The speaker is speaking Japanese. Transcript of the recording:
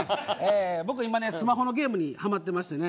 僕今ねスマホのゲームにハマってましてね。